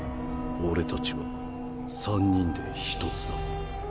俺たちは三人で一つだ